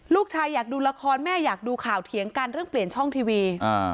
อยากดูละครแม่อยากดูข่าวเถียงกันเรื่องเปลี่ยนช่องทีวี